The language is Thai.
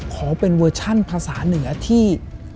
ขอเป็นเวอร์ชั่นภาษาเหนือที่